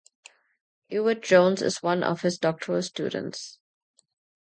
Ewart Jones is one of his doctoral students.